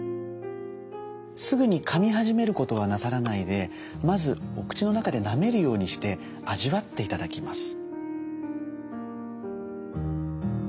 すぐにかみ始めることはなさらないでまずお口の中でなめるようにして味わって頂きます。